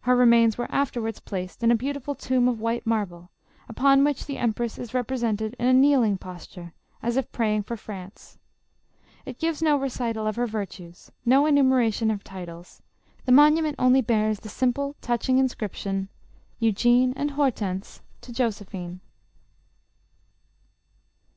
Her remains were afterwards placed in a beautiful tomb of white marble, upon which the empress is represented in u kneeling posture, as if praying for France. It gives no recital of her virtues, no enumeration of her titles ; the monument only bears the simple, touching inscrip tion— " Eugene and Hortense to Josephine." 268 JOSKPIIINE.